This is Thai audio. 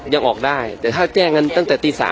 ยังออกได้แต่ถ้าแจ้งกันตั้งแต่ตี๓